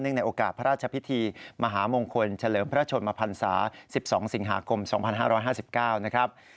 ในโอกาสพระราชพิธีมหามงคลเฉลิมพระชนมพันศา๑๒สิงหาคม๒๕๕๙นะครับ